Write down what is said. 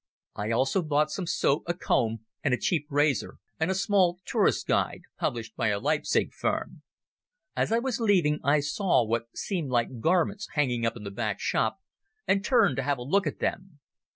I also bought some soap, a comb and a cheap razor, and a small Tourists' Guide, published by a Leipzig firm. As I was leaving I saw what seemed like garments hanging up in the back shop, and turned to have a look at them.